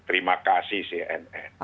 terima kasih cnn